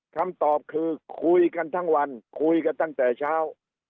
คำตอบคือคุยกันทั้งวันคุยกันตั้งแต่เช้า